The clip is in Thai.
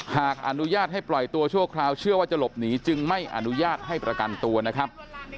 หากอนุญาตให้ปล่อยตัวชั่วคราวเชื่อว่าจะหลบหนีจึงไม่อนุญาตให้ประกันตัวนะครับ